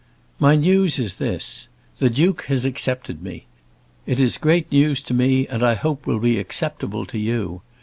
My news is this. The Duke has accepted me. It is great news to me, and I hope will be acceptable to you.